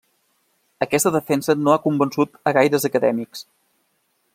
Aquesta defensa no ha convençut a gaires acadèmics.